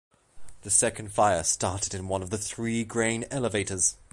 The second fire started in one of the three grain elevators.